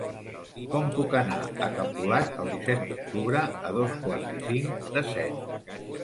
Com puc anar a Capolat el disset d'octubre a dos quarts i cinc de set?